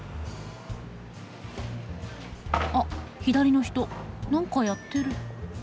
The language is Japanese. あっ左の人何かやってる。